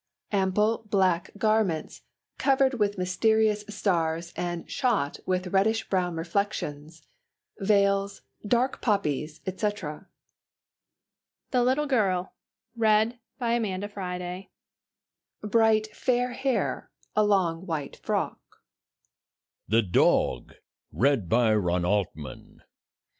Ample black garments, covered with mysterious stars and "shot" with reddish brown reflections. Veils, dark poppies, etc. THE NEIGHBOUR'S LITTLE GIRL. Bright fair hair; a long white frock.